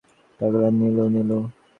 জাহিদ সাহেব ভয়ার্ত গলায় ডাকলেন, নীলু, ও নীলু।